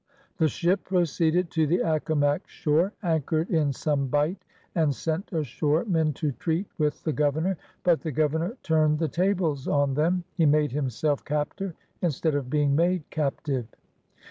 The ship proceeded to the Accomac shore, anchored in some bight, and sent ashore men to treat with the Governor. But the Gover nor turned the tables on them. He made himself captor, instead of being made captive.